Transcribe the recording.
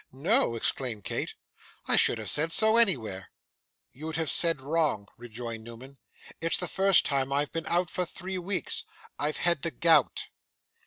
'No!' exclaimed Kate, 'I should have said so anywhere.' 'You'd have said wrong,' rejoined Newman. 'It's the first time I've been out for three weeks. I've had the gout.